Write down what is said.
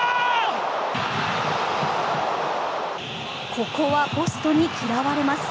ここはポストに嫌われます。